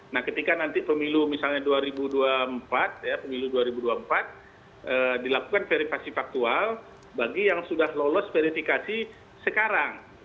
nah ketika nanti pemilu misalnya dua ribu dua puluh empat pemilu dua ribu dua puluh empat dilakukan verifikasi faktual bagi yang sudah lolos verifikasi sekarang